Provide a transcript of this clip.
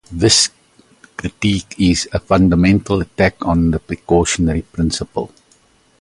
This critique is a fundamental attack on the precautionary principle.